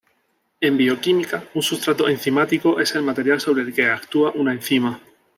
En bioquímica, un sustrato enzimático es el material sobre el que actúa una enzima.